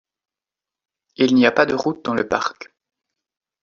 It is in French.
Il n’y a pas de route dans le parc.